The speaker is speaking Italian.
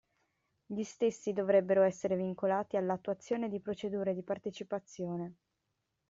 Gli stessi dovrebbero essere vincolati all'attuazione di procedure di partecipazione.